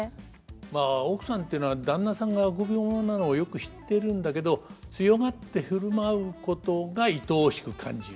まあ奥さんっていうのは旦那さんが臆病者なのをよく知ってるんだけど強がって振る舞うことがいとおしく感じる。